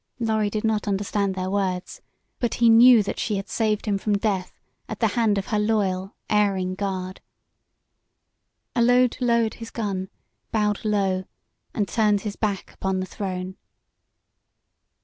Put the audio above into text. Lorry did not understand their words, but he knew that she had saved him from death at the hand of her loyal, erring guard. Allode lowered his gun, bowed low and turned his back upon the throne.